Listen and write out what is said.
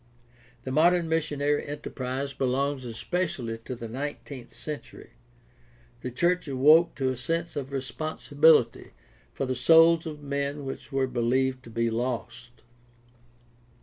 The modern missionary enterprise belongs especially to the nineteenth century. The church awoke to a sense of responsibility for the souls of men which were believed to be lost.